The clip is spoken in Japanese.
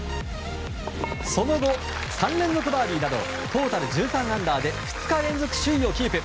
その後、３連続バーディーなどトータル１３アンダーで２日連続首位をキープ。